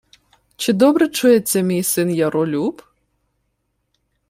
— Чи добре чується мій син Яролюб?